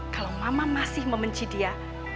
kalau mama masih membenci dia